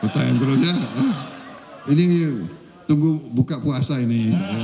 tunggu buka puasa ini